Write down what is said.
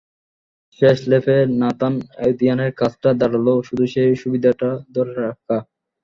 শেষ ল্যাপে নাথান আদ্রিয়ানের কাজটা দাঁড়াল শুধু সেই সুবিধাটা ধরে রাখা।